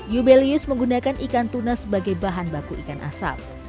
yubelius menggunakan ikan tuna sebagai bahan baku ikan asap